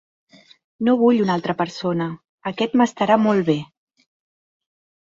No vull una altra persona, aquest m'estarà molt bé.